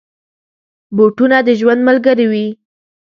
بوټونه د ژوند ملګري وي.